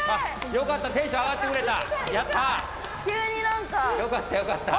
よかった、テンション上がってくれた。